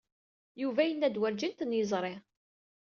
Yuba yenna-d werǧin ten-yeẓri.